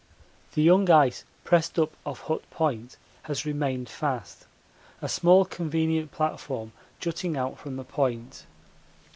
The young ice pressed up off Hut Point has remained fast a small convenient platform jutting out from the point.